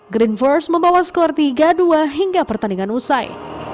green force membawa skor tiga dua hingga pertandingan usai